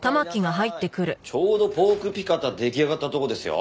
ちょうどポークピカタ出来上がったとこですよ。